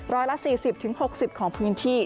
ร้อยละ๔๐๖๐ของพื้นที่